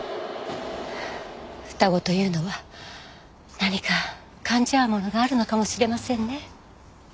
双子というのは何か感じ合うものがあるのかもしれませんね。